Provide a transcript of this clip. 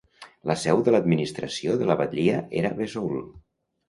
La Seu de l'administració de la batllia era Vesoul.